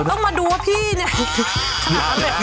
ต้องมาดูว่าพี่เนี้ย